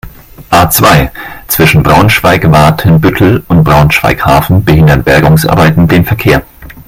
A-zwei, zwischen Braunschweig-Watenbüttel und Braunschweig-Hafen behindern Bergungsarbeiten den Verkehr.